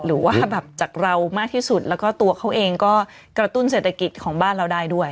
หรือว่าแบบจากเรามากที่สุดแล้วก็ตัวเขาเองก็กระตุ้นเศรษฐกิจของบ้านเราได้ด้วย